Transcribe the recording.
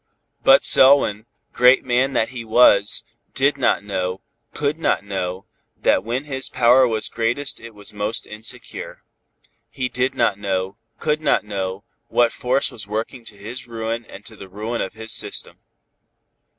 But Selwyn, great man that he was, did not know, could not know, that when his power was greatest it was most insecure. He did not know, could not know, what force was working to his ruin and to the ruin of his system.